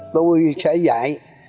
tôi sẽ dạy